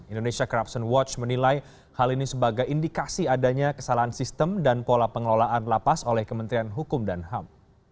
indonesia corruption watch menilai hal ini sebagai indikasi adanya kesalahan sistem dan pola pengelolaan lapas oleh kementerian hukum dan ham